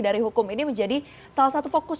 dari hukum ini menjadi salah satu fokus